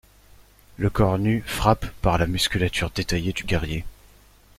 Le corps nu frappe par la musculature détaillée du guerrier.